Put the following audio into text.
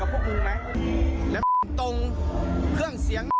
ไอ้คนป่วยเขื่อเกินเนี้ยถนุกกับพวกมึงไหมแล้วตรงเครื่องเสียง